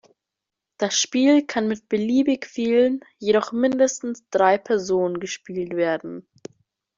Das Spiel kann mit beliebig vielen, jedoch mindestens drei Personen gespielt werden.